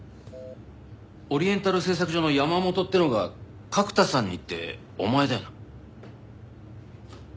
オリエンタル製作所の山本ってのが角田さんにって。お前だよな？